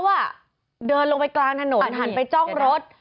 เขาเริ่มไปลงกลางถนนหันไปจ้องรถ